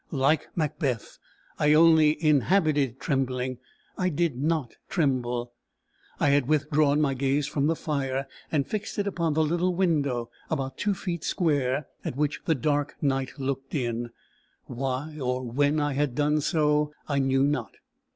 Like Macbeth, I only inhabited trembling; I did not tremble. I had withdrawn my gaze from the fire, and fixed it upon the little window, about two feet square, at which the dark night looked in. Why or when I had done so I knew not.